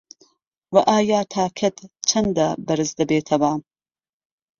وه ئایا تاکەت چەندە بەرز دەبێتەوه